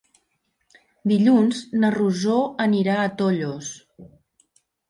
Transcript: Dilluns na Rosó anirà a Tollos.